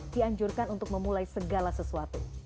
dianjurkan untuk memulai segala sesuatu